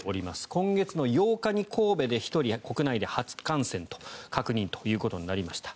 今月８日に神戸で１人国内で初めて感染が確認ということになりました。